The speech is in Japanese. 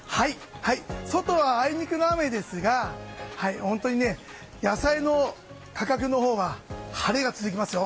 外はあいにくの雨ですが本当にね、野菜の価格のほうは晴れが続きますよ。